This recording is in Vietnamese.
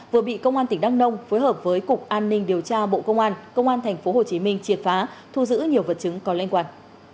vừa bị công an tỉnh đăng nông phối hợp với cục an ninh điều tra bộ công an công an tp hcm triệt phá thu giữ nhiều vật chứng có liên quan